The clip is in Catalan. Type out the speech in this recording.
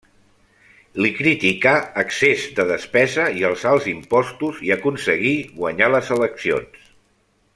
Li criticà excés de despesa i els alts impostos i aconseguí guanyar les eleccions.